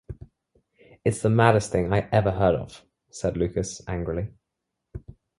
"It's the maddest thing I ever heard of," said Lucas angrily.